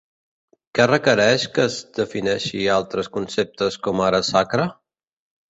Què requereix que es defineixi altres conceptes com ara "sacre"?